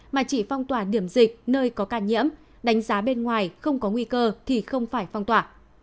mà chỉ phong tỏa điểm dịch nơi có ca nhiễm đánh giá bên ngoài không có nguy cơ thì không phải phong tỏa